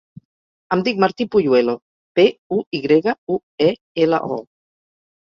Em dic Martí Puyuelo: pe, u, i grega, u, e, ela, o.